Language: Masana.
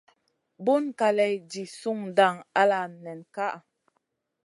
Buŋ kaley jih su dang ala nen kaʼa.